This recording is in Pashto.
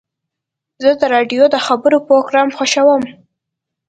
زه د راډیو د خبرو پروګرام خوښوم.